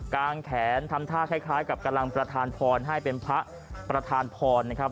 งแขนทำท่าคล้ายกับกำลังประธานพรให้เป็นพระประธานพรนะครับ